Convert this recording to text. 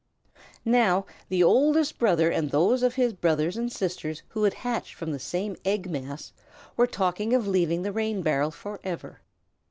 Now the Oldest Brother and those of his brothers and sisters who had hatched from the same egg mass were talking of leaving the rain barrel forever.